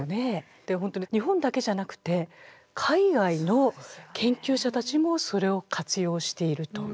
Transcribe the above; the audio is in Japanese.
日本だけじゃなくて海外の研究者たちもそれを活用していると。